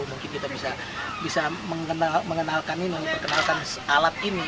mungkin kita bisa mengenalkan ini memperkenalkan alat ini